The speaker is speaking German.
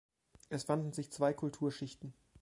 Es fanden sich zwei Kulturschichten.